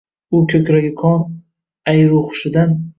U koʻkragi qon, ayru hushidan